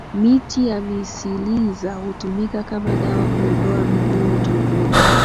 Miti ya misiliza hutumika kama dawa kuondoa minyoo tumboni